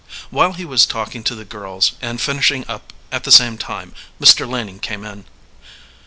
While he was talking to the girls, and finishing up at the same time, Mr. Laning came in.